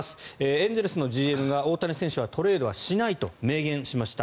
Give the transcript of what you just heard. エンゼルスのＧＭが大谷選手はトレードはしないと明言しました。